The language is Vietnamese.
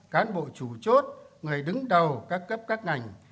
cán bộ chủ chốt người đứng đầu các cấp các ngành